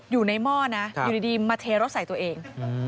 อยู่ในหม้อนะอยู่ดีมาเทร็ดใส่ตัวเอง